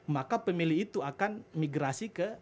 maka pemilih itu akan migrasi ke